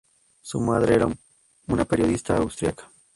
Su madre era una periodista austriaca.